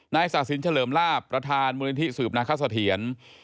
ศาสินเฉลิมลาบประธานมูลนิธิสืบนาคสะเทียน